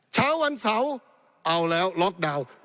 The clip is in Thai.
เช้าวันเสาร์เอาแล้วล็อกดาวน์